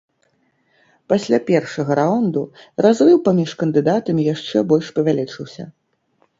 Пасля першага раунду разрыў паміж кандыдатамі яшчэ больш павялічыўся.